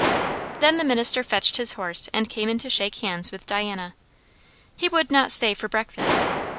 Then the minister fetched his horse, and came in to shake hands with Diana. He would not stay for breakfast.